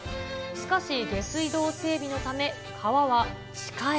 しかし、下水道整備のため川は地下へ。